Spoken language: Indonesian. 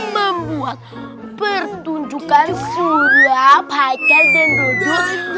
membuat pertunjukan surya pak ika dan dodot